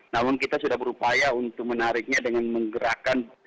namun kita sudah berupaya untuk menariknya dengan menggerakkan